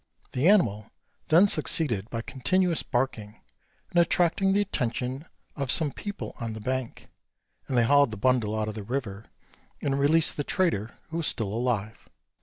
The animal then succeeded by continuous barking in attracting the attention of some people on the bank, and they hauled the bundle out of the river, and released the trader who was still alive.